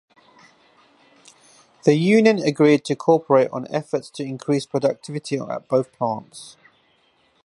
The union agreed to cooperate on efforts to increase productivity at both plants.